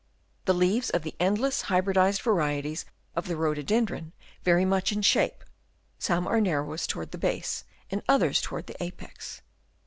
The leaves of the endless hybridised varieties of the Rhododendron vary much in shape ; some are narrowest towards the base and others to wards the apex.